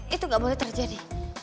itu gak boleh terjadi